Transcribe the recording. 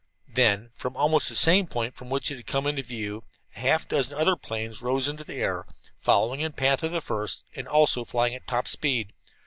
Then, from almost the same point from which it had come into view, half a dozen other planes rose into the air, following in the path of the first, and also flying at top speed.